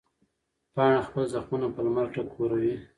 پاڼه خپل زخمونه په لمر ټکوروي.